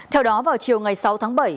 theo đó vào chiều ngày sáu tháng bảy